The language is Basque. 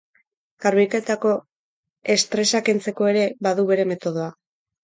Garbiketako estresa kentzeko ere, badu bere metodoa.